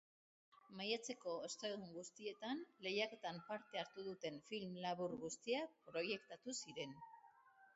Maiatzeko ostegun guztietan lehiaketan parte hartu duten film labur guztiak proiektatu ziren.